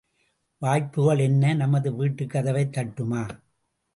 வாய்ப்புக்கள் என்ன, நமது வீட்டுக் கதவைத் தட்டுமா?